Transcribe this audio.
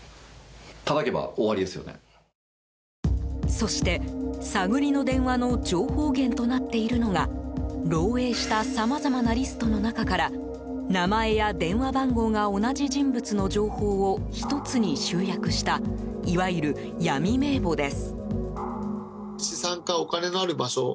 そして、探りの電話の情報源となっているのが漏洩したさまざまなリストの中から名前や電話番号が同じ人物の情報を１つに集約したいわゆる闇名簿です。